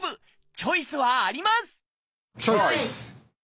チョイス！